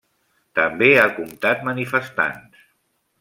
També ha comptat manifestants.